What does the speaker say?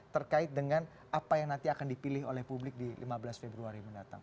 terkait dengan apa yang nanti akan dipilih oleh publik di lima belas februari mendatang